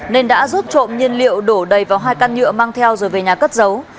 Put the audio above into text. nên đã rút trộm nhiên liệu đổ đầy vào hai can nhựa mang theo rồi về nhà cất giấu